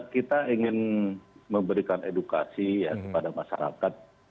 kita ingin memberikan edukasi ya kepada masyarakat